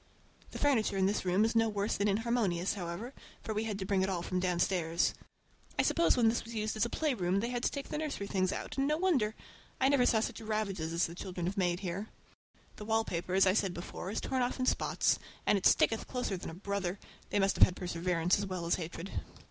The furniture in this room is no worse than inharmonious, however, for we had to bring it all from downstairs. I suppose when this was used as a playroom they had to take the nursery things out, and no wonder! I never saw such ravages as the children have made here. The wallpaper, as I said before, is torn off in spots, and it sticketh closer than a brother—they must have had perseverance as well as hatred.